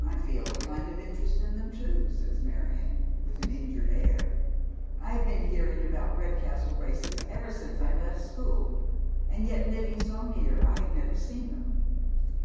_" I feel a kind of interest in them too," says Marion, with an injured air. " I've been liearing about Redcastle races ever since I left school, and yet, living so near, I've never seen them.